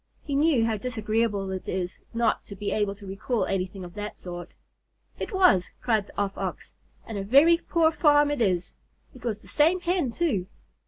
He knew how disagreeable it is not to be able to recall anything of that sort. "It was," cried the Off Ox; "and a very poor farm it is. It was the same Hen too.